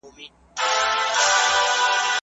استاد شاګرد ته د بریالیتوب لاره وښودله.